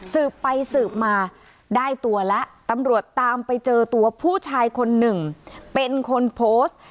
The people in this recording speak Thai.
สืบไปสืบมาได้ตัวแล้วตำรวจตามไปเจอตัวผู้ชายคนหนึ่งเป็นคนโพสต์